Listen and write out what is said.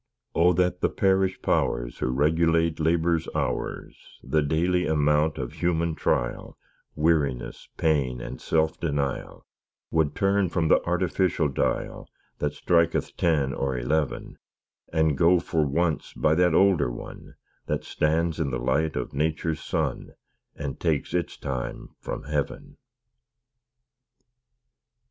Oh that the Parish Powers, Who regulate Labor's hours, The daily amount of human trial, Weariness, pain, and self denial, Would turn from the artificial dial That striketh ten or eleven, And go, for once, by that older one That stands in the light of Nature's sun, And takes its time from Heaven!